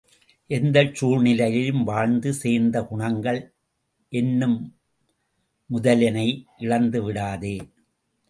எந்தச் சூழ்நிலையிலும் வாழ்ந்து சேர்த்த குணங்கள் என்னும் முதலினை இழந்துவிடாதே!